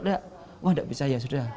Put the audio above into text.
enggak wah tidak bisa ya sudah